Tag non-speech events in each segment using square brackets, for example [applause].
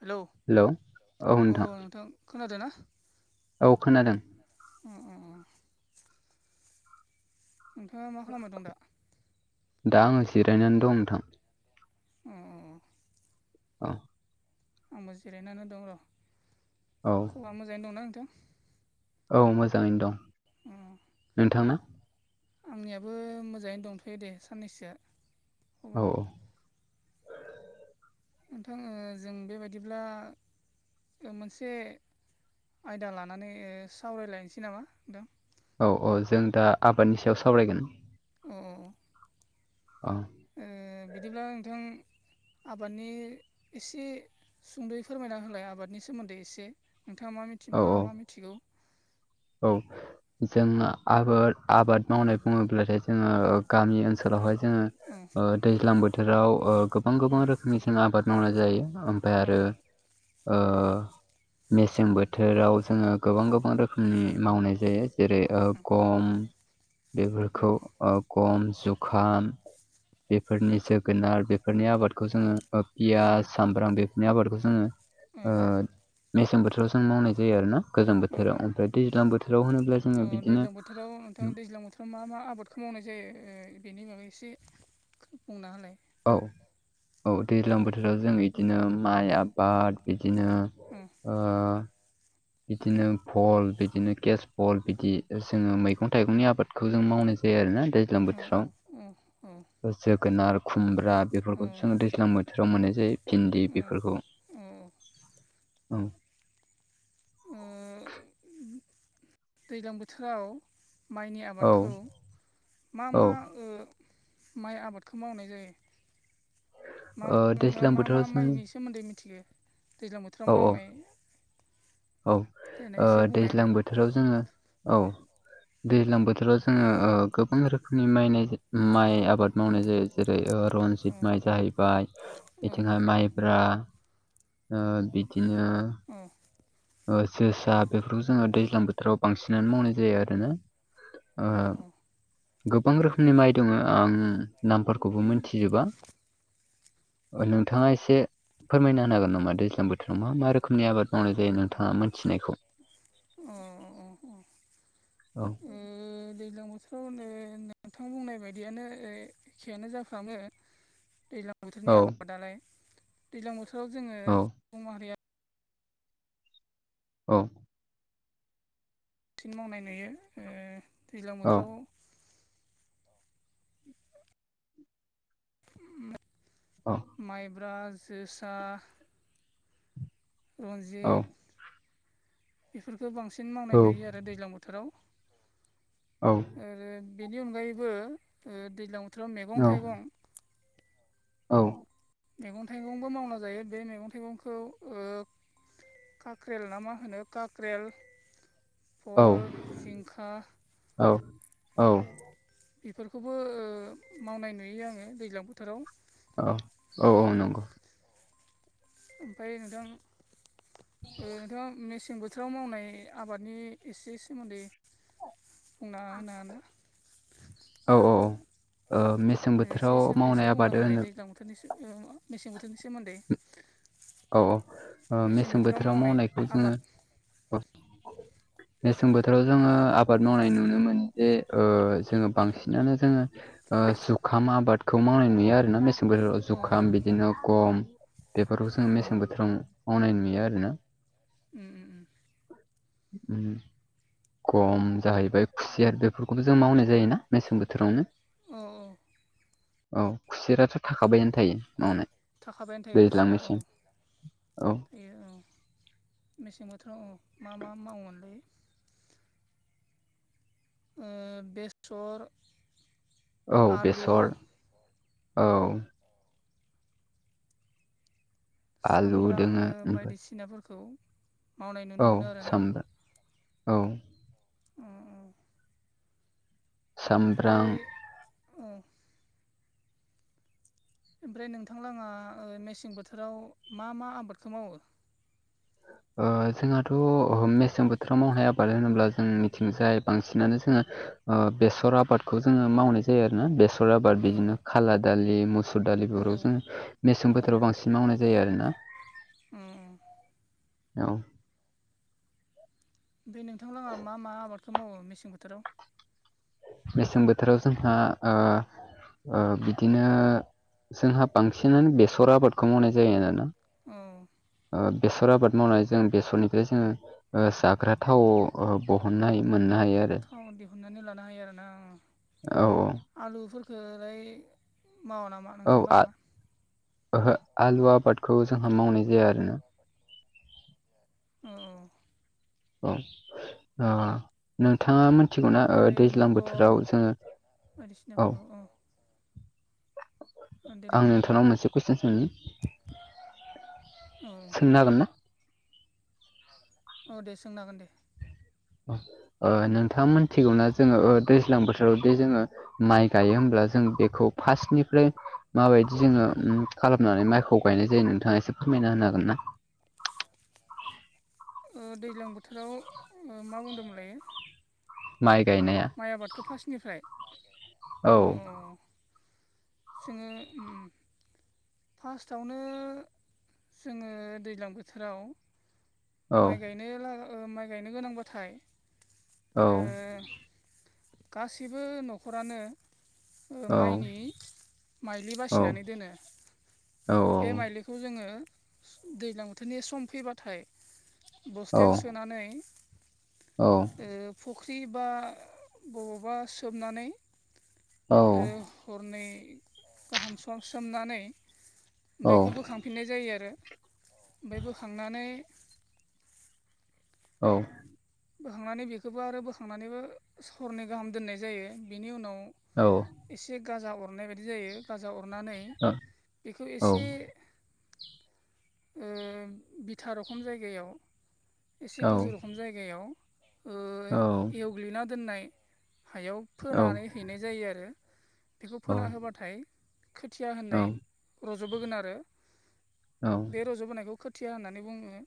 Hello अ नोंथां खोनादों ना? औ खोनादों अ अ अ नोंथाङा मा खालामबाय दं दा? दा आङो जिरायनानै दं नोंथां। उम उम औ आंबो जिरायनानै दं र'। औ [unintelligible] मोजाङै दंना नोंथां? औ मोजाङैनो दं। अ नोंथांना? आंनियाबो मोजाङैनो दंथ'यो दे साननैसोआ औ खबरा औ नोंथां जों बेबायदिब्ला मोनसे आयदा लानानै सावरायलायनोसै नामा नोंथां? औ औ जों दा आबादनि सायाव सावरायगोन। अम अम अम अ अम बिदिब्ला नोंथां आबादनि एसे सुंद'यै फोरमायना होलाय आबादनि सोमोन्दै एसे नोंथाङा मा मिथि औ मा मा औ मिथिगौ औ जोंङो आबाद आबाद मावनाय बुङोब्लाथाय जोंङो गामि ओन सोलावहाय जोंङो औ ओ दैज्लां बोथोराव गोबां गोबां उम रोखोमनिसिम आबाद मावना जायो ओमफाय औ आरो ओ मेसें बोथोराव जोंङो गोबां गोबां रो खोमनि मावनाय जायो जेरै औ गम औ बेफोरखौ ओ गम जुखाम बेफोरनि जोगोनार बेफोरनि आबादखौ जोंङो ओ उम पियास सामब्राम बेफोरनि आबादखौ जोंङो अ ओ मेसें बोथोराव जों मावनाय जायो आरो ना गोजां अ बोथोराव ओमफ्राय दैज्लां बोथोराव होनोब्ला अ जोङो बिदिनो दैज्लां बोथोराव नोंथां दैज्लां बोथोराव मा मा आबादखौ मावनाय जायो बेनि माबा एसे बुंना होनाय औ औ दैज्लां बोथोराव जों इदिनो माइ आबाद बिदिनो। अम ओ बिदिनो फल बिदिनो केस फल बिदि जोङो मैगं थाइगंनि आबादखौ जों मावनाय जायो आरोना दैजा। दैज्लां अ बोथोराव अ जोगोनार खुमब्रा बेफोरखौ जोङो दैज्लां बोथोर थोराव मोननाय जायो भिन्दि अ बेफोरखौ ओ औ। ओ दैलां बोथोराव माइनि औ आबादखौ मा मा औ ओ माइ आबादखौ मावनाय जायो। मा ओ नोंथाङा दैज्लां मा मा बोथोराव जों माइनि सोमोन्दै मिथिगो दैज्लां बो बोथोर औ औ मावनाय औ ओ देनाय एसे बुंनाय दैज्लां होनाय। बोथोराव जोङो औ। दैज्लां बोथोराव जोङो ओ गोबां रोखोमनि मायनाय माइ आबाद मावनाय जायो। जेरै ओ अ रनजित माइ जाहैबाय अ बेथिंहाय माइब्रा ओ बिदिनो अ ओ जोसा बेफोरखौ जोङो दैज्लां बोथोराव बांसिनानो मावनाय जायो आरोना। अ ओ गोबां रोखोमनि माइ दङ आं नामफोरखौबो मिनथिजोबा। नोंथाङा एसे फोरमायना होनो हागोन नामा दैज्लां बोथोराव मा मा रोखोमनि आबाद मावनाय जायो नोंथाङा मोनथिनायखौ अ अ अ औ ओ दैज्लां बोथोरावनो नोंथां बुंनाय बायदियानो एखेआनो जाफ्रामो दैज्लां बोथोरनि औ आबादालाय दैज्लां बोथोराव जोंङो औ सुबुं माहारिया औ फिन मावनाय नुयो ओ दैज्लां बोथोराव। [inaudible] अ माइब्रा जोसा। रन्जित बेफोरफोरखौ बांसिन मावनाय नुयो आरो दैज्लां बोथोराव औ आरो बेनि अनगायैबो दैज्लां बोथोराव मैगं थाइगं औ मैगं थाइगंबो मावना जायो बे मैगं थाइगंखौ ओ काख्रेल ना मा होनो काख्रेल भल जिंखा औ बेफोरखौबो मावनाय नुयो आङो दैज्लां बोथोराव। औ औ औ नंगौ। ओमफाय नोंथां नोंथाङा मेसें बो बोथोराव मावनाय आबादनि एसे सोमोन्दै बुंना होनो आरोना? औ औ औ ओ मेसें बोथोराव मावनाय आबाद होनो गोजां बोथोरनिसो मेसें बोथोरनि सोमोन्दै औ औ मेसें बोथोराव मावनायखौ जोङो औ मेसें बोथोराव जोङो आबाद मावनाय नुनो मोन जे ओ जोङो बांसिनानो जोङो जुखाम आबादखौ मावनाय नुयो आरो ना मेसें बोथोराव औ जुखाम बिदिनो गम बेफोरखौ जों औ मेसें बोथोराव मावनाय नुयो आरो ना। उम उम उम उम खम जाहैबाय खुसियार बेफोरखौबो जों मावनाय जायोना मेसें बोथोरावनो औ औ। औ खुसेराथ' थाखाबायानो थायो मावनो। थाखाबायनो थायो खुसिरा ओं। औ बेयो औ मेसें बोथोराव औ मा मा मावोमोनलाय ओ बेसर औ आलु बेसर औ। आलु सामब्राम दोङो ओमफ्राय बायदिसिनाफोरखौ मावनाय नुनो औ मोनो आरोना सामब्राम औ। अ अ बेनिफ्राय सामब्राम ओ ओमफ्राय नोंथांलाङा ओ मेसें बोथोराव मा मा आबादखौ मावो? ओ जोंहाथ' मेसें बोथोराव मावनाय आबाद होनोब्ला जों मिथिंजाय बांसिनानो जोङो बेसर आबादखौ जोङो मावनाय जायो आरो ना बेसर आबाद बिदिनो खाला दालि मुसुर दालि औ बेफोरखौ जों मेसें बोथोराव बांसिन मावनाय जायो आरो ना। उम उम औ। बे नोंथां लाहा मा मा आबादखौ मावो मेसें बोथोराव? मेसें बोथोराव जोंहा ओ ओ बिदिनो जोंहा बांसिनानो बेसर आबाद बेखौ मावनाय जायो आरोना औ बेसर आबाद मावनाय जों बेसरनिफ्राय जोङो जाग्रा थाव बहननाय मोननो हायो आरो। औ दिहुननानै लानो हायो आरोना औ औ। आलुफोरफोरखौ मावा नामा? औ आ नोंथांलाङा ओहो आलु आबादखौ जोंहा मावनाय जाया आरोना। अ औ औ ओ नोंथाङा मोन मिथिगौना ओ बेनिफ्राय दैज्लां मटर बोथोराव जोङो औ बायदिसिनाफोरखौ औ देलाय आं बुंलाय नोंथांनाव मोनसे कुइसन सोंनि औ सोंनो हागोन ना? औ दे सोंनो हागोन दे। ओ नोंथाङा मिथिगौना जोङो ओ दैज्लां बोथोरावदि जोङो माइ गायो होमब्ला जों बेखौ फार्स्टनिफ्राय माबायदि जोङो खालामनानै माइखौ गायनाय जायो नोंथाङा एसे फोरमायना होनो हागोन ना? ओ दैज्लां बोथोराव ओ मा बुंदोंमोन लायो? माइ गायनाया। माइ आबादखौ फार्स्टनिफ्राय। औ अ जोङो उम। फार्स्टआवनो जोङो दैज्लां बोथोराव औ माइ गायनो माइ गायनो गोनांबाथाय। औ गासिबो न'खरानो। ओ औ माइनि माइलि औ बासिनानै दोनो। औ बे माइलिखौ जोङो दैज्लां बोथोरनि सम फैबाथाय बस्थायाव औ सोनानै औ। ओ फुख्रि बा बबावबा सोमनानै औ ओ हरनै गाहाम सर सोमनानै औ बेखौ बोखां फिननाय जायो आरो ओमफ्राय बोखांनानै औ। बोखांनानै बेखौबो आरो बोखांनानैबो सरनै गाहाम दोननाय जायो बेनि उनाव औ। एसे गाजा अरनाय बायदि जायो गाजा अरनानै बेखौ एसे ओ बिथा रखम जायगायाव एसे गोजौ रोखम जायगा गायाव [unintelligible] औ। एवग्लिना दोननाय हायाव फोनानै हैनाय जायो आरो। बेखौ फोना होबाथाय खोथिया होननाय रज'बोगोन आरो। बे रज'बोनायखौ खोथिया होननानै बुङो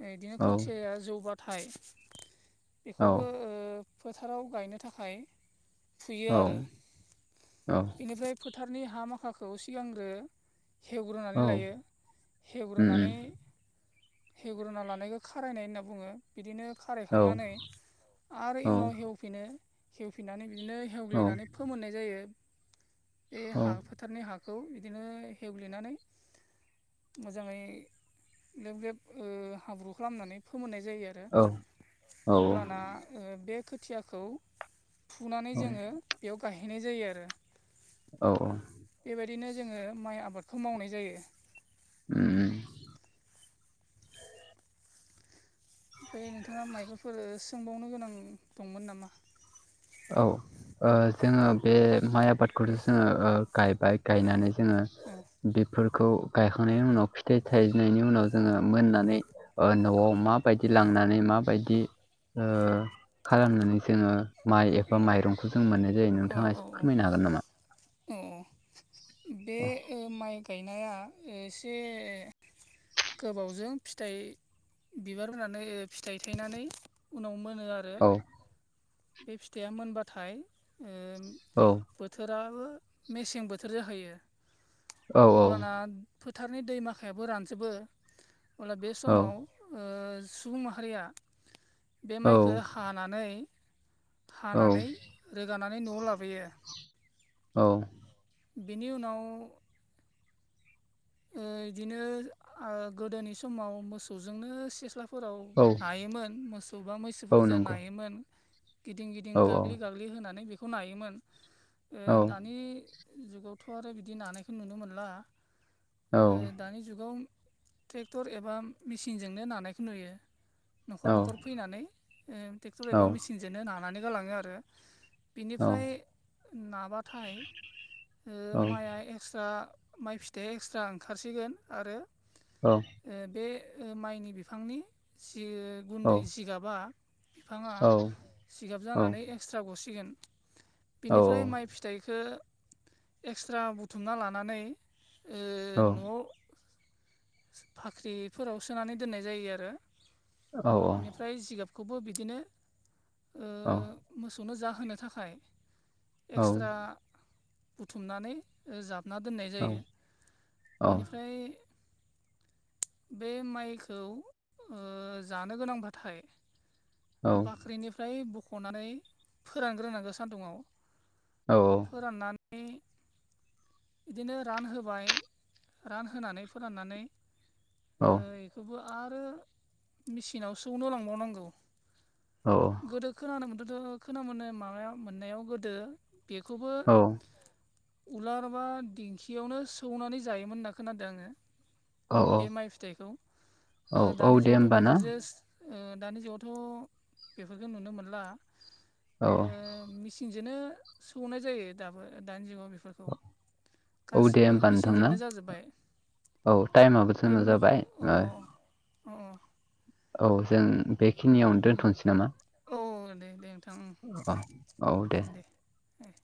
बिदिनो खोथियाया जौबा [unintelligible] थाइ बेखौबो ओ फोथाराव गायनो थाखाय फुयो आरो औ बेनिफ्राय फोथारनि हा माखाखौ सिगांग्रो हेवग्रोनानै औ लायो उम उम हेवग्रोनानै हेवग्रोना लानायखौ खारायनाय होनना बुङो बिदिनो औ खारायखांनानै आरो इयुनाव हेव फिनो हेवफिननानै बिदिनो औ हेवग्लिनानै फोमोननाय जायो बे औ हाफोर औ फोथारनि हाखौ बिदिनो हेवल्गिनानै मोजांङै ग्लेब ल्लेब हाब्रु खालामनानै फोमोननाय जायो आरो। औ औ अब्लाना बे खोथियाखौ फुनानै जोङो औ बेयाव गाहैनाय जायो आरो। औ औ बेबायदिनो जोङो माइ आबादखौ मावनाय जायो। ओम। ओमफ्राय नोंथांङा मायबाफोर सोंबावनो गोनां दंमोन नामा। औ जोङो बे माइ आबादखौनो जोङो गायबाय गायनानै जोङो औ बेफोरखौ गायखांनायनि उनाव फिथाइ थायजिनायनि उनाव जोङो मोननानै ओ न'आव माबायदि लांनानै माबायदि खालामनानै जोंङो माइ एबा माइरंखौ जों मोननाय जायो। औ औ औ एसे फोरमायनो हागोन नामा? औ औ बे औ ओ माइक गायनाया एसे गोबावजों फिथाइ बिबार होनानै फिथाइ थायनानै उनाव मोनो आरो। औ आरो बे फिथाइया मोनबाथाय ओ बोथोराबो मेसें बोथोर जाहैयो औ अब्लाना फोथारनि दैमाखायाबो रानजोबो अब्ला बे औ समाव ओ सुबुं माहारिया बे औ माइखो हानानै औ हानानै रोगानानै न'आव लाबोयो। औ। बेनि उनाव ओ इदिनो ओ गोदोनि समाव मोसौजोंनो सिस्ला फोराव औ नायोमोन मोसौ बा औ मैसोफोरजों नंगौ नायोमोन गिदिं गिदिं औ औ गाग्लि गाग्लि गागलि होनानै बेखौ नायोमोन ओ औ दानि जुगावथ' आरो बिदि नानायखौ नुनो मोनला। ओ औ दानि जुगाव ट्रेक्टर एबा मेसिनजोंनो नानायखौ नुयो न'खर न'खर फैनानै ओ ट्रेक्टर एबा औ मेसिनजोंनो नानानै गालांङो आरो औ बिनिफ्राय नाबाथाय ओ औ माइआ एक्सट्रा माइ फिथाइ एक्सट्रा ओंखारसिगोन आरो औ। ओ बे ओ माइनि बिफांनि सि गुन्दै सिगाबा बिफाङा सिगाब जानानै एक्सट्रा गसिगोन बिनिफ्राय माइ फि फिथाइखौ एक्सट्रा बुथुमना लानानै ओ न'आव बाख्रिफोराव सोनानै दोननाय जायो आरो औ औ। ओमफ्राय जिगाबखौबो बिदिनो ओ औ। मोसौनो जाहोनो थाखाय एक्सट्रा बुथुमनानै ओ जाबना दोननाय जायो इनिफ्राय बे माइखौ ओ जानो गोनांबाथाय बाख्रिनिफ्राय बख'नानै फोरानग्रोनांगौ सान्दुंङाव औ। फोराननानै बिदिनो रान होबाय रानहानै फोराननानै ओ खौबो आरो मेचिनाव सौनो लांबावनांगौ। औ औ। गोदो खोनानो मोनदोंथ' खोन मोनो माबा मोननायाव गोदो बेखौबो उलार माबा दिंखियावनो सौनानै जायोमोन होन्ना खोनांदों आंङो। बे माइ फिथाइखौ ओ औ दानि दे जुगावथ' होमबा ना बेफोरजों ओ दानि जुगावथ' बेफोरखौ नुनो मोनला औ ओ मिसि मिसिनजोंनो सौनाय जायो दाबो दानि जुगाव बेफोरखौ औ दे गासैबो होमबा नोंथां ना मेचिनजोंनो जाजोब्बाय। औ टाइमाबो जोंना पेम जाबाय अ ओ अ औ जों अ बेखिनियावनो दोनथ'नोसै नामा? औ दे दे औ नोंथांओं दे ओ।